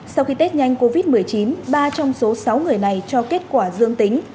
sau khi tết nhanh covid một mươi chín ba trong số sáu người này cho kết quả dương tính